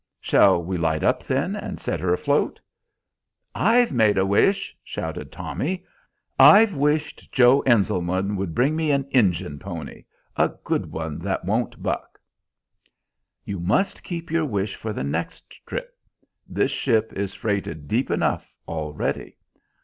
"Shall we light up then, and set her afloat?" "I've made a wish," shouted Tommy; "I've wished Joe Enselman would bring me an Injun pony: a good one that won't buck!" "You must keep your wish for the next trip. This ship is freighted deep enough already.